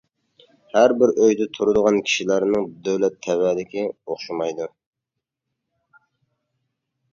ھەربىر ئۆيدە تۇرىدىغان كىشىلەرنىڭ دۆلەت تەۋەلىكى ئوخشىمايدۇ.